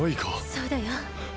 そうだよ。